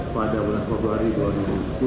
pada bulan februari dua ribu sepuluh